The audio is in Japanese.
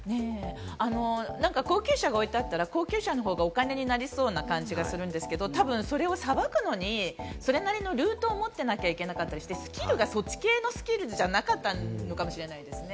高級車が置いてあったら高級車の方がお金になりそうな感じがするんですけど、それをさばくのにそれなりのルートを持っていなきゃいけなくて、そっち系のスキルじゃなかったのかもしれないですね。